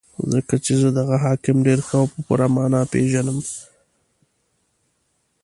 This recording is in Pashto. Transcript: ځکه چې زه دغه حاکم ډېر ښه او په پوره مانا پېژنم.